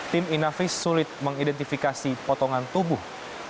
tim inavis sulit mengidentifikasi potongan tubuh